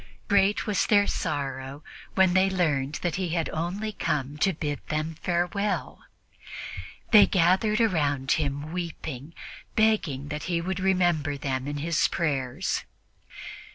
Great was their sorrow when they learned that he had only come to bid them farewell. They gathered around him weeping, begging that he would remember them in his prayers.